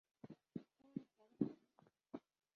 এই, পরম না?